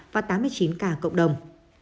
và tám mươi chín ca cộng đồng